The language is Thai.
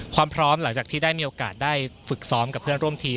พร้อมหลังจากที่ได้มีโอกาสได้ฝึกซ้อมกับเพื่อนร่วมทีม